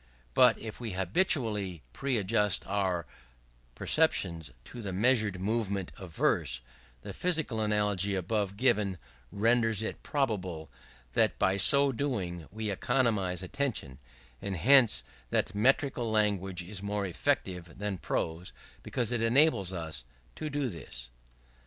But if we habitually preadjust our perceptions to the measured movement of verse, the physical analogy above given renders it probable that by so doing we economize attention; and hence that metrical language is more effective than prose, because it enables us to do this.